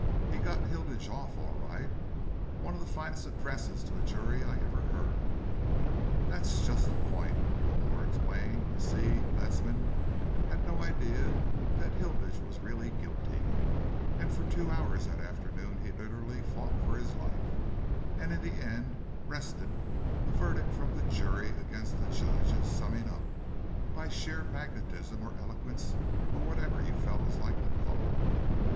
"He got Hilditch off all right. One of the finest addresses to a jury I ever heard." "That's just the point," Wilmore explained "You see, Ledsam had no idea that Hilditch was really guilty, and for two hours that afternoon he literally fought for his life, and in the end wrested a verdict from the jury, against the judge's summing up, by sheer magnetism or eloquence or whatever you fellows like to call it.